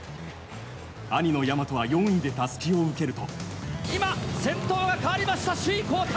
兄の大和は４位でタスキを受けると。